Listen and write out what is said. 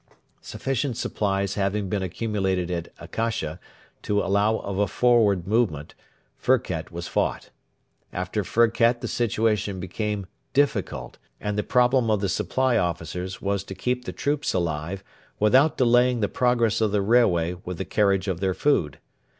Sufficient supplies having been accumulated at Akasha to allow of a forward movement, Firket was fought. After Firket the situation became difficult, and the problem of the supply officers was to keep the troops alive without delaying the progress of the railway with the carriage of their food.